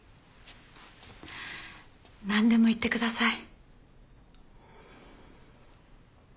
何でも言って下さい。